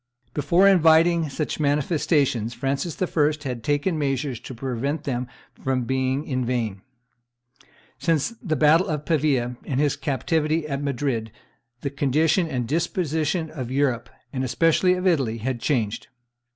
Before inviting such manifestations Francis I. had taken measures to prevent them from being in vain. Since the battle of Pavia and his captivity at Madrid the condition and disposition of Europe, and especially of Italy, had changed.